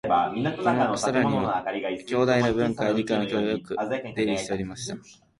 この「信楽」には、京大の文科や理科の教授がよく出入りしておりました